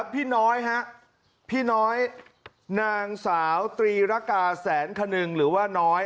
พี่น้อยนางสาว๓ล้ากาแสนคนนึงหรือว่าน้อย